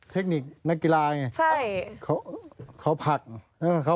เทคนิคนักกีฬาไงใช่